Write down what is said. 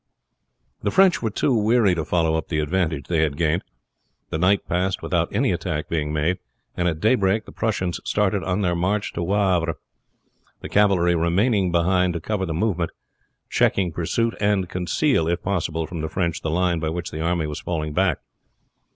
The French were too weary to follow up the advantage they had gained; the night passed without any attack being made, and at daybreak the Prussians started on their march to Wavre, the cavalry remaining behind to cover the movement, check pursuit, and conceal if possible from the French the line by which the army was falling back.